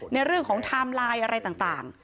ในเรื่องของไทม์ไลน์อะไรต่าง